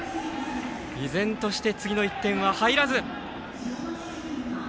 依然として次の１点は入らず。